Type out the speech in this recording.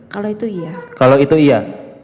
kalau itu iya kalau itu iya